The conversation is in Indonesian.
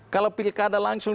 kalau pilkada langsung